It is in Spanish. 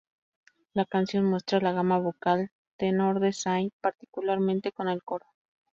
La canción muestra la gama vocal tenor de Zayn, particularmente con el coro.